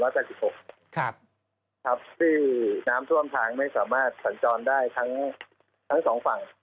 คือน้ำท่วมทางไม่สามารถสรรจรได้ทั้งทั้งสองฝ่าง